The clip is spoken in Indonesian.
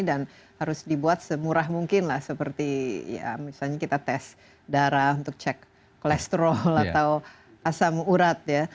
dan harus dibuat semurah mungkin lah seperti misalnya kita tes darah untuk cek kolesterol atau asam urat ya